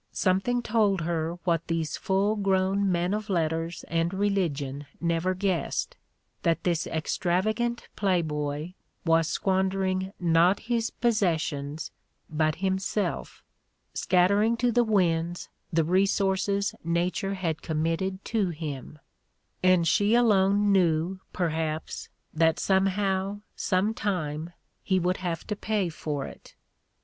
Something told her what these full grown men of letters and religion never guessed, that this extravagant play boy was squandering not his possessions but himself, scattering to the winds the resources nature had com mitted to him; and she alone knew perhaps that somehow, sometime, he would have to pay for it.